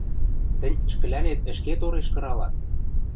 Тӹнь ӹшкӹлӓнет ӹшке тореш кыралат!